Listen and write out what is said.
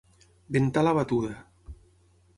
Ventar la batuda.